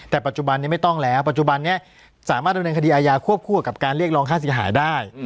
แต่ปัจจุบันนี้ไม่ต้องแล้วปัจจุบันนี้สามารถดำเนินคดีอายาควบคู่กับการเรียกร้องค่าเสียหายได้